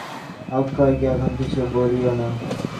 অন্নদা ব্যস্ত হইয়া কহিলেন, না না, অক্ষয়কে এখন কিছু বলিয়ো না।